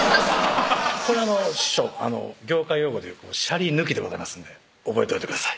これ師匠業界用語でいうシャリ抜きでございますんで覚えといてください